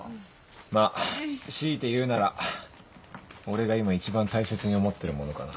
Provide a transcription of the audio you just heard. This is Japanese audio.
まっ強いて言うなら俺が今一番大切に思ってるものかな。